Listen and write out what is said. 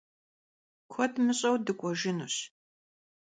Kued mış'eu dık'uejjınuş.